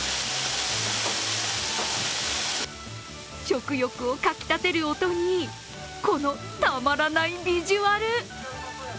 食欲をかき立てる音にこのたまらないビジュアル！